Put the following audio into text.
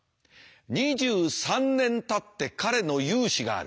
２３年たって彼の雄姿がある。